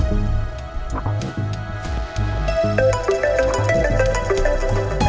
ya udah pak